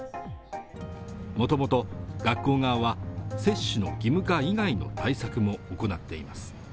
もともと学校側は接種の義務化以外の対策も行っています